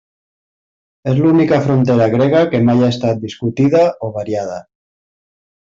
És l'única frontera grega que mai ha estat discutida o variada.